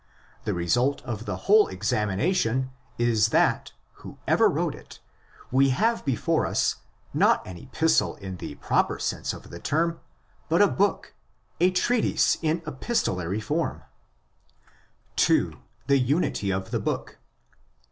The result of the whole examination is that—whoever wrote it—we have before us, not an epistle in the proper sense of the term, but a book, a treatise in epistolary form. 2.—Tue Unity or tHE Book.